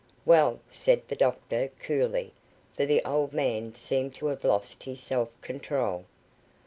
"Well," said the doctor, coolly, for the old man seemed to have lost his self control.